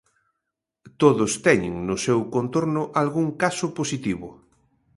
Todos teñen no seu contorno algún caso positivo.